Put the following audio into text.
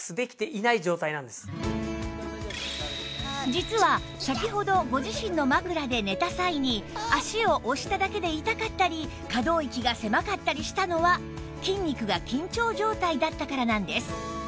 実は先ほどご自身の枕で寝た際に足を押しただけで痛かったり可動域が狭かったりしたのは筋肉が緊張状態だったからなんです